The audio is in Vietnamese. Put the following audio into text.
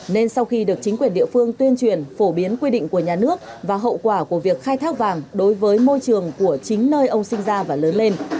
nên sau khi được chính quyền địa phương tuyên truyền phổ biến quy định của nhà nước và hậu quả của việc khai thác vàng đối với môi trường của chính nơi ông sinh ra và lớn lên